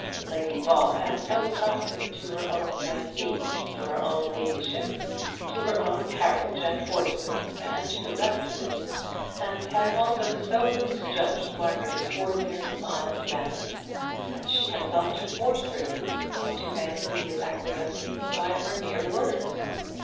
Lady Ball had so trusted to her own prestige, to her own ladyship, to her own carriage and horses, and to the rest of it, and had also so misjudged Margaret's ordinary mild manner, that she had thought to force her niece into an immediate acquiescence by her mere words.